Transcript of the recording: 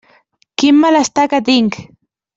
Quin malestar que tinc!